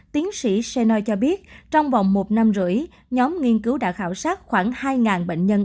tiến sĩ seno cho biết trong vòng một năm rưỡi nhóm nghiên cứu đã khảo sát khoảng hai bệnh nhân